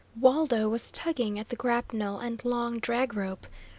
Waldo was tugging at the grapnel and long drag rope.